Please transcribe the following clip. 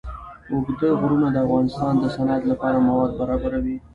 اوږده غرونه د افغانستان د صنعت لپاره مواد برابروي.